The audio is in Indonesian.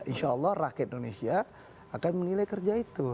insya allah rakyat indonesia akan menilai kerja itu